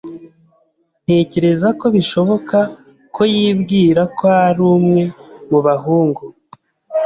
Ntekereza ko bishoboka ko yibwira ko ari umwe mu bahungu.